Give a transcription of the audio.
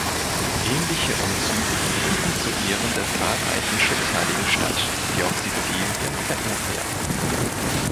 Ähnliche Umzüge finden zu Ehren der zahlreichen Schutzheiligen statt, die auf Sizilien verehrt werden.